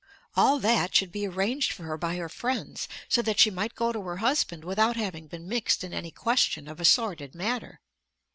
All that should be arranged for her by her friends, so that she might go to her husband without having been mixed in any question of a sordid matter.